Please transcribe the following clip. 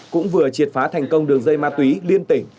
cũng vừa triệt phá thành công đường dây ma túy liên tỉnh